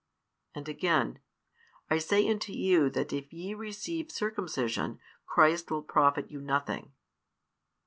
And again: I say unto you that if ye receive circumcision, Christ will profit you nothing.